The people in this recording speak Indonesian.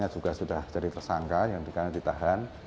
yang pertama juga sudah jadi tersangka yang dikarenakan ditahan